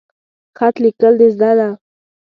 خط لیکل د زده ده؟